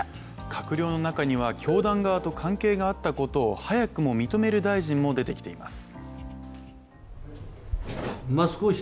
閣僚の中には教団側と関係があったことを早くも認める大臣も出てきています。